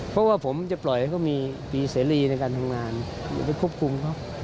เพราะว่าผมจะปล่อยให้เขามีเสรีในการทำงานไปควบคุมเขา